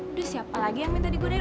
udah siapa lagi yang minta digodain